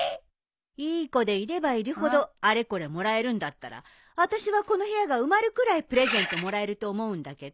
いい子でいればいるほどあれこれもらえるんだったら私はこの部屋が埋まるくらいプレゼントもらえると思うんだけど。